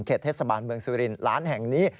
เทศบาลเมืองสุรินทร์ร้านแห่งนี้